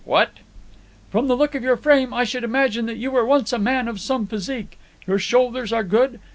"What!" "From the look of your frame I should imagine that you were once a man of some physique. Your shoulders are good.